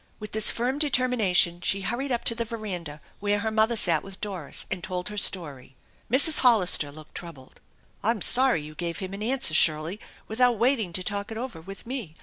With this firm determination she hurried up to the veranda where her mother sat with Doris, and told her story. Mrs. Hollister looked troubled. "I'm sorry you gave him an answer, Shirley, without waiting to talk it over with me.